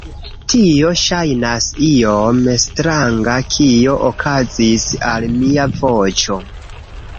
Tio ŝajnas iom stranga kio okazis al mia voĉo